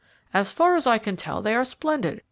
"As far as I can tell, they are splendid.